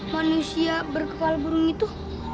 manusia berkepal burung itu